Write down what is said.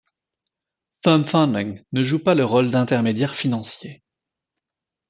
FirmFunding ne joue pas le rôle d’intermédiaire financier.